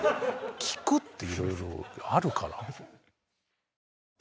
聞くっていろいろあるから。